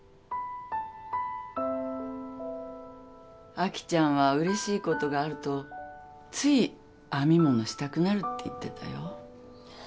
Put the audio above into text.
アキちゃんはうれしいことがあるとつい編み物したくなるって言ってたよ。